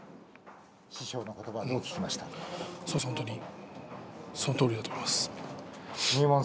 本当にそのとおりだと思います。